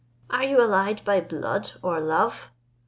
Are you allied by blood or love?"